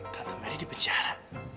tante mer ini di penjara